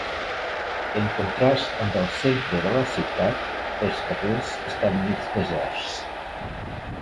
En contrast amb el centre de la ciutat, els carrers estan mig deserts.